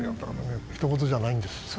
ひとごとじゃないんです。